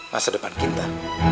masa depan kita